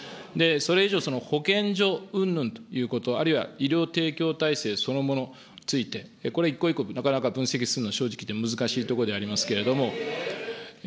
それ以上、保健所うんぬんということ、あるいは医療提供体制そのものについて、これ、一個一個なかなか分析するのは正直言って難しいところでありますけれども。